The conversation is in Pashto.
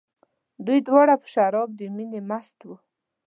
دوی دواړه په شراب د مینې مست وو.